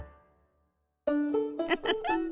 ウフフ。